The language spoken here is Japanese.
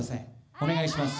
お願いします。